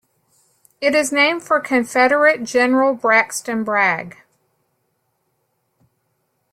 It is named for Confederate General Braxton Bragg.